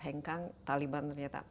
hengkang taliban ternyata